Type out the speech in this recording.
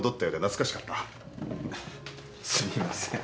すみません。